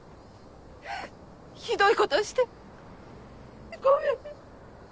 ひどいことしてごめん。